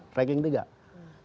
tetapi kemudian kita bisa mencari